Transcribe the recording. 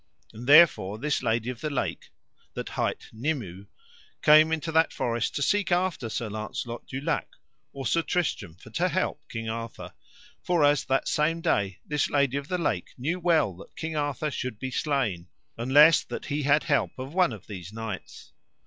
And therefore this Lady of the Lake, that hight Nimue, came into that forest to seek after Sir Launcelot du Lake or Sir Tristram for to help King Arthur; foras that same day this Lady of the Lake knew well that King Arthur should be slain, unless that he had help of one of these two knights.